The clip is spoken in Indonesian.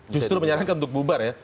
justru menyarankan untuk bubar ya